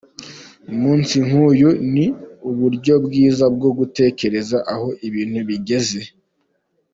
Umunsi nk’uyu ni uburyo bwiza bwo gutekereza aho ibintu bigeze.